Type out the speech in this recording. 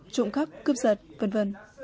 trộm khắp cướp giật v v